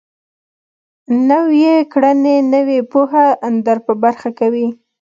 نويې کړنې نوې پوهه در په برخه کوي.